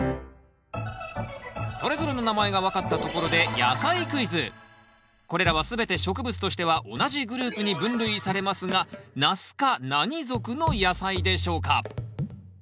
それぞれの名前が分かったところでこれらは全て植物としては同じグループに分類されますがナス科何属の野菜でしょうか？